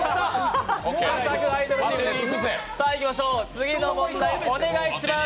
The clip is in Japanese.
次の問題、お願いします。